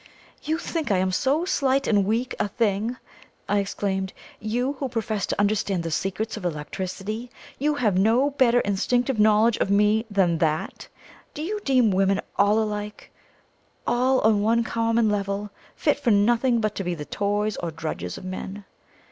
"You think I am so slight and weak a thing!" I exclaimed. "YOU, who profess to understand the secrets of electricity you have no better instinctive knowledge of me than that! Do you deem women all alike all on one common level, fit for nothing but to be the toys or drudges of men?